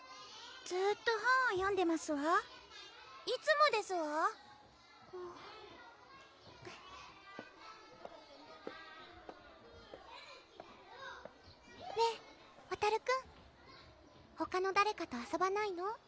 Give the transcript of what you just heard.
ずっと本を読んでますわいつもですわねぇワタルくんほかの誰かと遊ばないの？